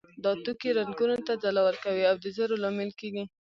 دا توکي رنګونو ته ځلا ورکوي او د زرو لامل کیږي.